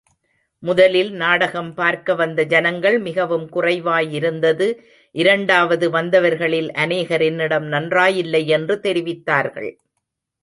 முதலில் நாடகம் பார்க்க வந்த ஜனங்கள் மிகவும் குறைவாயிருந்தது இரண்டாவது வந்தவர்களில் அநேகர் என்னிடம் நன்றாயில்லை யென்று தெரிவித்தார்கள்.